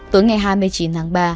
tối ngày hai mươi chín tháng ba